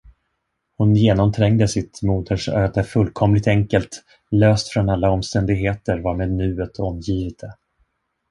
Hon genomträngde sitt modersöde fullkomligt enkelt, löst från alla omständigheter varmed nuet omgivit det.